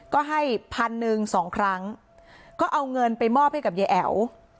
ก็ให้พันหนึ่งสองครั้งก็เอาเงินไปมอบให้กับยายแอ๋ว